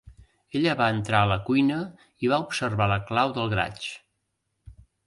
Ella va entrar a la cuina i va observar la clau del garatge.